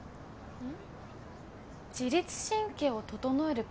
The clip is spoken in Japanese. うん。